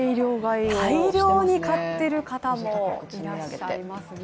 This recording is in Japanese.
大量に買っている方もいらっしゃいますね。